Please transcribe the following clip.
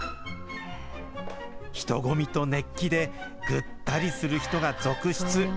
人混みと熱気でぐったりする人が続出。